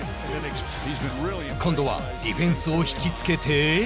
今度はディフェンスを引きつけて。